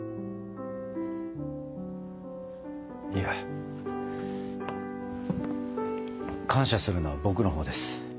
いや感謝するのは僕のほうです。